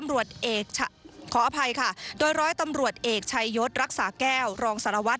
และร้วยตำรวจเอกชัยยศรักษาแก้วรองสนวทิศ